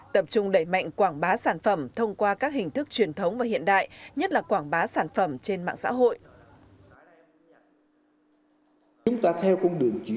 tập trung đẩy mạnh quảng bá sản phẩm thông qua các hình thức truyền thống và hiện đại nhất là quảng bá sản phẩm trên mạng xã hội